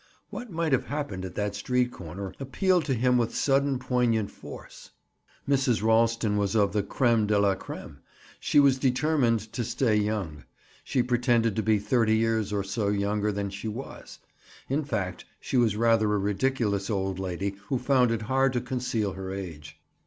What might have happened at that street corner appealed to him with sudden poignant force. Mrs. Ralston was of the creme de la creme. She was determined to stay young. She pretended to be thirty years or so younger than she was. In fact, she was rather a ridiculous old lady who found it hard to conceal her age.